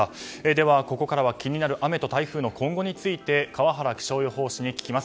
ではここからは気になる雨と台風の今後について川原気象予報士に聞きます。